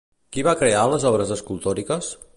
Qui va crear les obres escultòriques?